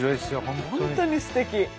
本当にすてき。